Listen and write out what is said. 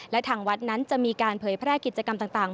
และทางวัดนั้นจะมีการเผยแพร่กิจกรรมต่าง